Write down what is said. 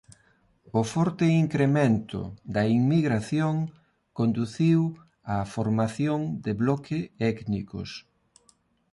O forte incremento da inmigración conduciu á formación de bloque étnicos.